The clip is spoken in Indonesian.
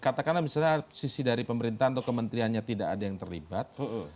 katakanlah misalnya sisi dari pemerintahan atau kementeriannya tidak ada yang terlibat